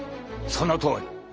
そのとおり！